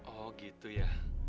oh gitu ya